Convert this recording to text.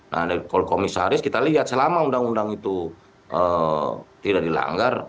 nah kalau komisaris kita lihat selama undang undang itu tidak dilanggar